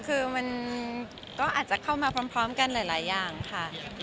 คือมันก็อาจจะเข้ามาพร้อมกันหลายอย่างค่ะ